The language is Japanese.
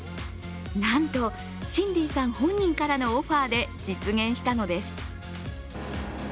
なんと、シンディさん本人からのオファーで実現したのです。